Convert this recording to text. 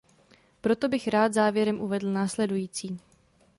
Proto bych rád závěrem uvedl následující.